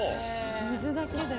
水だけで。